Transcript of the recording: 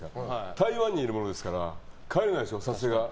台湾にいるものですから帰れないでしょ。